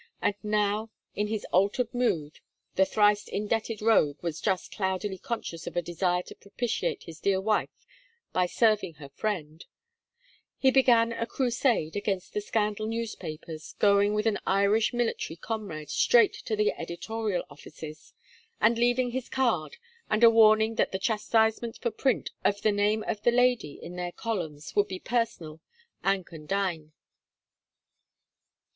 And now, in his altered mood (the thrice indebted rogue was just cloudily conscious of a desire to propitiate his dear wife by serving her friend), he began a crusade against the scandal newspapers, going with an Irish military comrade straight to the editorial offices, and leaving his card and a warning that the chastisement for print of the name of the lady in their columns would be personal and condign.